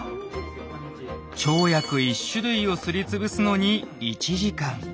生薬１種類をすりつぶすのに１時間。